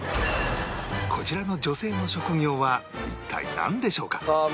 こちらの女性の職業は一体なんでしょうか？